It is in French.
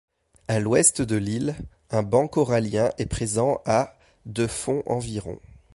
À l’ouest de l'île, un banc corallien est présent à de fond environ.